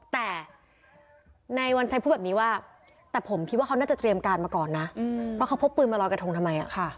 แต่นายวัญชัยพูดแบบนี้ว่าแต่ผมคิดว่าเขาน่าจะเตรียมการมาก่อนนะเพราะเขาพกปืนมารอยกระทงทำไม